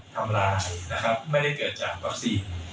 ทำร้ายนะครับไม่ได้เกิดจากวัคซีน